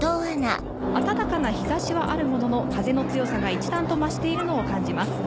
暖かな日差しはあるものの風の強さが一段と増しているのを感じます。